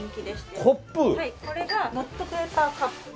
これがノットペーパーカップ。